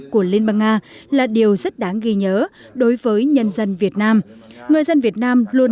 của liên bang nga là điều rất đáng ghi nhớ đối với nhân dân việt nam người dân việt nam luôn